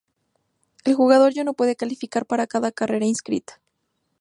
El jugador ya no puede "calificar" para cada carrera inscrita.